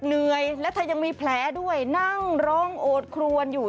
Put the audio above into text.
เหนื่อยและเธอยังมีแผลด้วยนั่งร้องโอดครวนอยู่